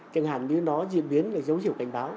chẳng hạn nếu nó diễn biến là giấu hiểu cảnh báo